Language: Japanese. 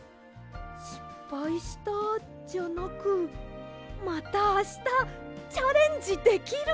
「しっぱいした」じゃなく「またあしたチャレンジできる」！